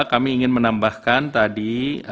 kami ingin menambahkan tadi